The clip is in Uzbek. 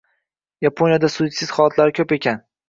Yaponiyada suitsid holatlari koʻp ekan.